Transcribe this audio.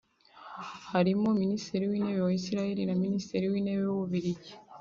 harimo Minisitiri w’Intebe wa Isiraheli na Minisitiri w’Intebe w’Ububiligi